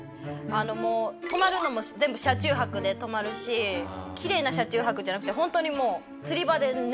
泊まるのも全部車中泊で泊まるしきれいな車中泊じゃなくてホントにもう釣り場で寝る。